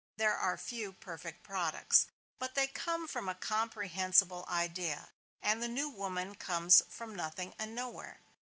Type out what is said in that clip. there are few perfect products. But they come from a comprehensible idea; and the new woman comes from nothing and nowhere.